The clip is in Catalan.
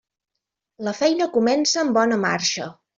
La feina comença amb bona marxa.